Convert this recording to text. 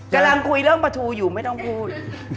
กำลังคุยเรื่องปลาทูอยู่ไม่ต้องพูด